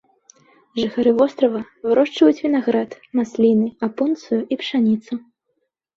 Жыхары вострава вырошчваюць вінаград, масліны, апунцыю і пшаніцу.